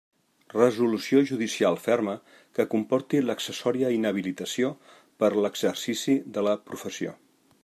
Resolució judicial ferma que comporti l'accessòria inhabilitació per a l'exercici de la professió.